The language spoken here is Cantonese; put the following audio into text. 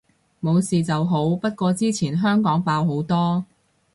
冇事就好，不過之前香港爆好多